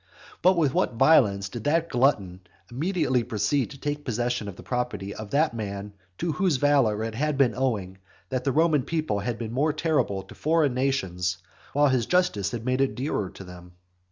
But with what violence did that glutton immediately proceed to take possession of the property of that man, to whose valour it had been owing that the Roman people had been more terrible to foreign nations, while his justice had made it dearer to them.